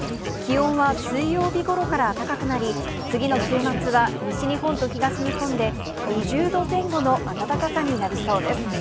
気温は水曜日ごろから高くなり、次の週末は西日本と東日本で２０度前後の暖かさになりそうです。